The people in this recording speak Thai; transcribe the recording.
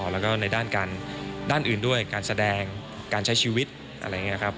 แล้วก็ในด้านอื่นด้วยการแสดงการใช้ชีวิตอะไรอย่างนี้ครับ